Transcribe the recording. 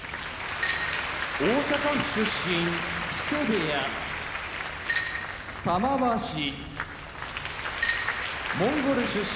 大阪府出身木瀬部屋玉鷲モンゴル出身